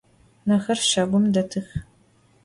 Hexer şagum detıx.